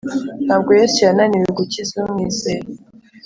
Ntabwo yesu yananiwe gukiza umwizeye